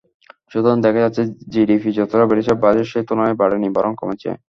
সুতরাং দেখা যাচ্ছে জিডিপি যতটা বেড়েছে, বাজেট সেই তুলনায় বাড়েনি, বরং কমেছে।